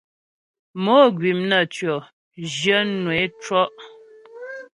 Mò gwìm naə́tʉɔ̂, zhwyə̂nwə é cɔ́'.